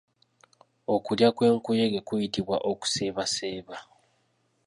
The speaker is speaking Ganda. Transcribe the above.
Okulya kwenkuyege kuyitibw Okuseebaseeba.